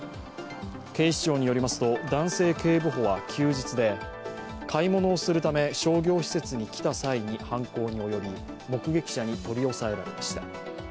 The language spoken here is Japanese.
警視庁によりますと男性警部補は休日で、買い物をするため商業施設に来た際に犯行に及び目撃者に取り押さえられました。